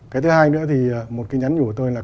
cái thứ hai nữa thì một cái nhắn nhủ của tôi là